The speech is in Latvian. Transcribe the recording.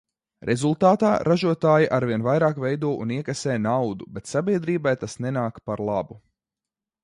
Rezultātā, ražotāji arvien vairāk veido un iekasē naudu, bet sabiedrībai tas nenāk par labu.